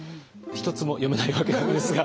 一つも読めないわけなんですが。